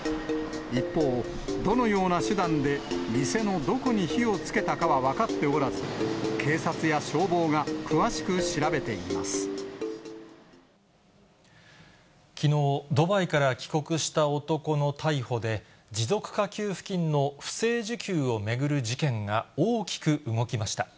一方、どのような手段で店のどこに火をつけたかは分かっておらず、きのう、ドバイから帰国した男の逮捕で、持続化給付金の不正受給を巡る事件が大きく動きました。